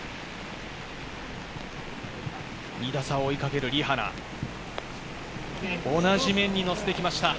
２打差を追いかけるリ・ハナ、同じ面にのせてきました。